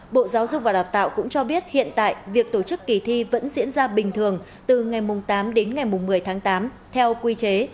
bộ giáo dục và đào tạo cũng cho biết hiện tại việc tổ chức kỳ thi vẫn diễn ra bình thường từ ngày tám đến ngày một mươi tháng tám theo quy chế